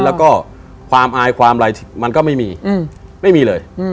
แล้วก็ความอายความอะไรมันก็ไม่มีไม่มีเลย